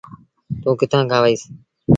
توٚݩ ڪٿآݩ کآݩ وهيٚس۔